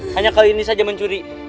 hanya kali ini saja mencuri